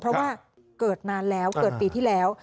เพราะว่าเกิดนานแล้วเกิดปีที่แล้ว